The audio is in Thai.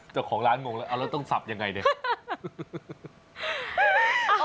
เจ้าของร้านงงแล้วเอาแล้วต้องสับยังไงเนี่ย